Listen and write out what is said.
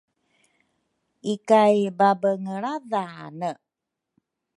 Ikay babengelradhane